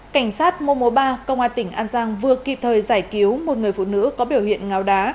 cảnh sát mùa mùa ba công an tỉnh an giang vừa kịp thời giải cứu một người phụ nữ có biểu hiện ngáo đá